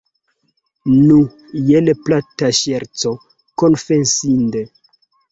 Nu, jen plata ŝerco, konfesinde.